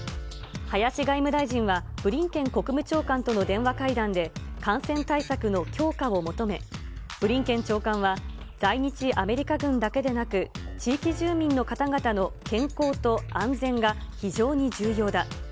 林外務大臣は、ブリンケン国務長官との電話会談で、感染対策の強化を求め、ブリンケン長官は、在日アメリカ軍だけでなく、地域住民の方々の健康と安全が非常に重要だ。